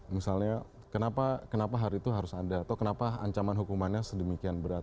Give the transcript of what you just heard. misalnya kenapa hari itu harus ada atau kenapa ancaman hukumannya sedemikian berat